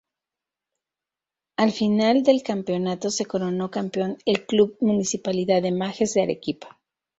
Al final del campeonato se coronó campeón el Club Municipalidad de Majes de Arequipa.